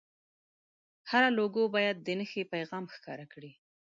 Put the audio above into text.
هره لوګو باید د نښې پیغام ښکاره کړي.